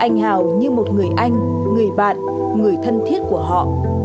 người anh người bạn người thân thiết của họ